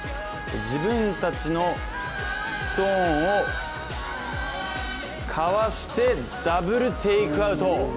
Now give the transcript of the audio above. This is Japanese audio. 自分たちのストーンをかわしてダブルテイクアウト。